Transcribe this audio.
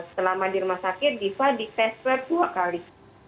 selama di rumah sakit diva di tes swab dua kali